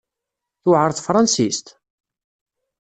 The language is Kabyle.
Tewɛer tefransist?